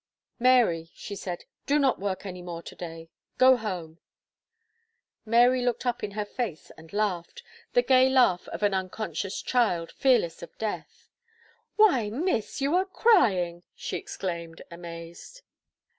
"Mary," she said, "do not work any more to day go home." Mary looked up in her face, and laughed the gay laugh of an unconscious child, fearless of death. "Why, Miss, you are crying!" she exclaimed, amazed.